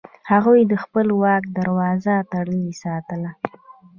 هغوی د خپل واک دروازه تړلې ساتله.